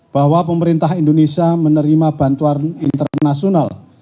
bahwa pemerintah indonesia menerima bantuan internasional